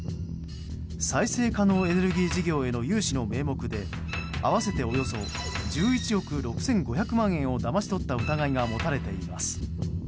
再生可能エネルギー事業への融資の名目で合わせておよそ１１億６５００万円をだまし取った疑いが持たれています。